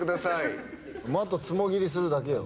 あとツモ切りするだけよ。